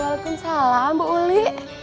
waalaikumsalam bu uli